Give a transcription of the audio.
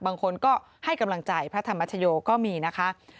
บางคนก็ให้กำลังใจพระธรรมชโยก็มีนะคะ